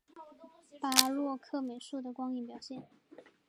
巴洛克美术的光影表现